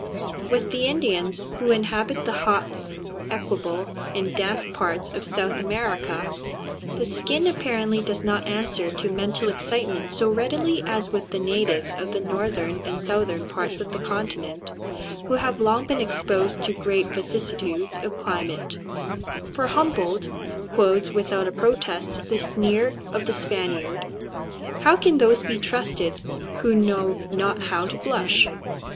With the Indians who inhabit the hot, equable, and damp parts of South America, the skin apparently does not answer to mental excitement so readily as with the natives of the northern and southern parts of the continent, who have long been exposed to great vicissitudes of climate; for Humboldt quotes without a protest the sneer of the Spaniard, "How can those be trusted, who know not how to blush?"